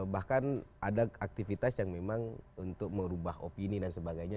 bahkan ada aktivitas yang memang untuk merubah opini dan sebagainya